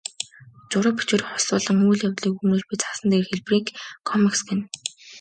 Зураг, бичвэр хослуулан үйл явдлыг хүүрнэж буй цаасан дээрх хэлбэрийг комикс гэнэ.